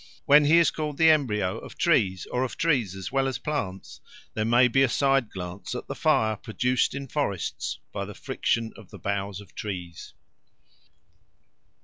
When he is called the embryo of trees or of trees as well as plants, there may be a side glance at the fire produced in forests by the friction of the boughs of trees."